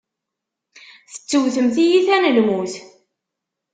Tettewtem tiyita n lmut.